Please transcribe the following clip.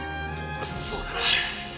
そうだな。